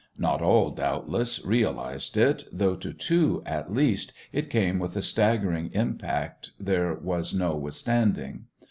Not all, doubtless, realised it, though to two, at least, it came with a staggering impact there was no withstanding.